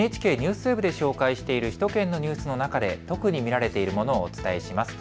ＮＨＫＮＥＷＳＷＥＢで紹介している首都圏のニュースの中で特に見られているものをお伝えします。